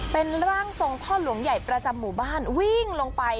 เป็นร่างทรงพ่อหลวงใหญ่ประจำหมู่บ้านวิ่งลงไป